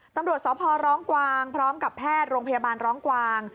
ตำรวจสพร้องกวางพร้อมกับแพทย์โรงพยาบาลร้องกวาง